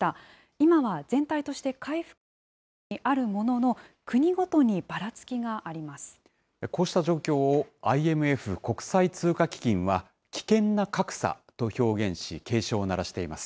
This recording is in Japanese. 今は全体として回復傾向にあるものの、国ごとにばらつきがありまこうした状況をＩＭＦ・国際通貨基金は、危険な格差と表現し、警鐘を鳴らしています。